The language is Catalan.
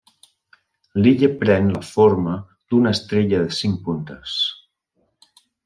L'illa pren la forma d'una estrella de cinc puntes.